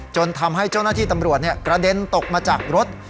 จนทำให้เจ้าหน้าที่ตำรวจกระเด็นตกมาจากรถ